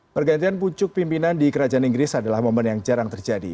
pergantian pucuk pimpinan di kerajaan inggris adalah momen yang jarang terjadi